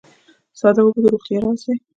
ساده اوبه د روغتیا راز دي